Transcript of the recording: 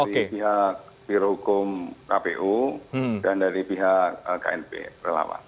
dari pihak pihak hukum kpu dan dari pihak knp